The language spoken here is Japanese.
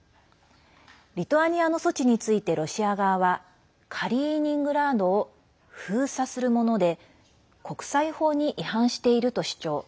リトアニアの措置についてロシア側はカリーニングラードを封鎖するもので国際法に違反していると主張。